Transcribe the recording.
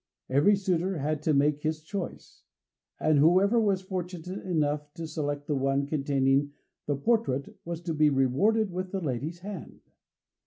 Every suitor had to make his choice, and whoever was fortunate enough to select the one containing the portrait was to be rewarded with the lady's hand.